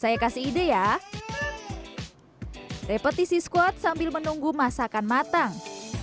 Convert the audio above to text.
saya kasih ide ya repetisi squad sambil menunggu masakan matang